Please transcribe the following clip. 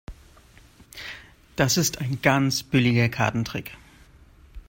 Das ist ein ganz billiger Kartentrick.